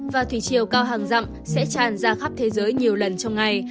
và thủy chiều cao hàng rậm sẽ tràn ra khắp thế giới nhiều lần trong ngày